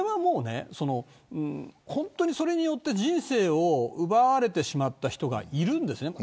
本当にそれによって人生を奪われてしまった人がいるんですよね。